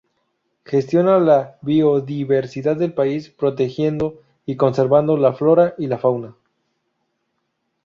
Gestiona la biodiversidad del país, protegiendo y conservando la flora y la fauna.